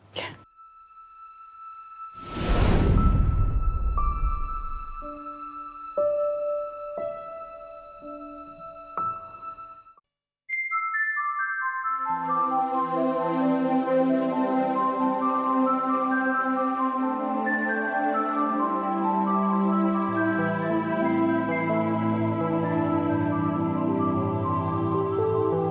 โปรดติดตามตอนต่อไป